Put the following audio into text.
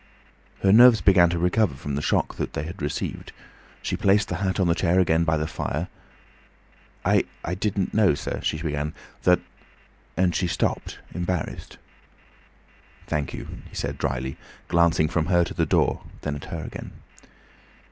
Her nerves began to recover from the shock they had received. She placed the hat on the chair again by the fire. "I didn't know, sir," she began, "that—" and she stopped embarrassed. "Thank you," he said drily, glancing from her to the door and then at her again.